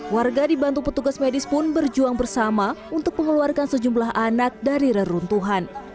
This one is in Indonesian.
warga dibantu petugas medis pun berjuang bersama untuk mengeluarkan sejumlah anak dari reruntuhan